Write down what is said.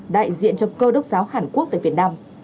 đại diện cho cơ đốc giáo hàn quốc tại việt nam